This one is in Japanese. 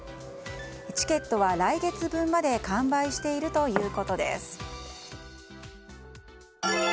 チケットは来月分まで完売しているということです。